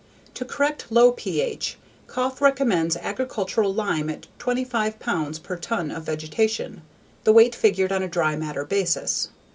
To correct low pH, Koepf recommends agricultural lime at 25 pounds per ton of vegetation, the weight figured on a dry matter basis.